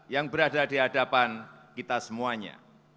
yang berada di hadapan kita semuanya